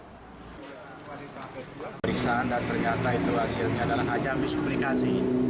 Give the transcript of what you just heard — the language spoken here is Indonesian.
pemeriksaan dan ternyata itu hasilnya adalah ajang disuplikasi